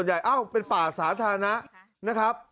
เอ้าเป็นป่าสาธารณะนะครับ